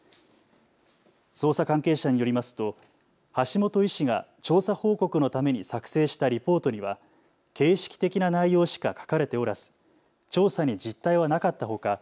捜査関係者によりますと橋本医師が調査報告のために作成したリポートには形式的な内容しか書かれておらず調査に実態はなかったほか